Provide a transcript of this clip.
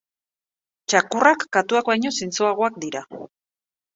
txakurrak katuak baino zintzoagoak dira